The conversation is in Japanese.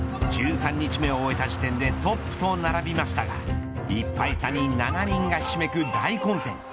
１３日目を終えた時点でトップと並びましたが１敗差に７人がひしめく大混戦。